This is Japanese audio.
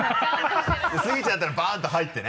スギちゃんだったらバンと入ってね。